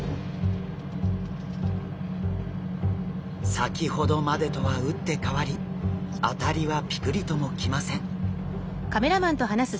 先ほどまでとは打って変わり当たりはピクリともきません。